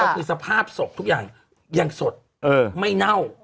คือยังสดไม่เน่า